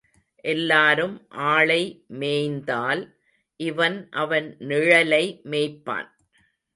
எல்லாரும் ஆளை மேய்ந்தால், இவன் அவன் நிழலை மேய்ப்பான்.